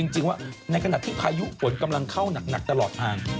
จริงว่าในขณะที่พายุฝนกำลังเข้าหนักตลอดทาง